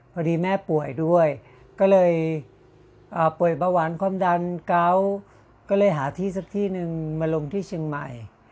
พอดีแม่ป่วยด้วยก็เลยป่วยเบาหวานความดันเกาก็เลยหาที่สักที่นึงมาลงที่เชียงใหม่